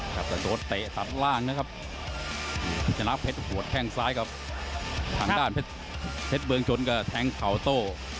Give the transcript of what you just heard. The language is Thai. กระโดดเตะตัดล่างนะครับชนะเพชรหัวแข้งซ้ายครับทางด้านเพชรเพชรเมืองชนก็แทงเข่าโต้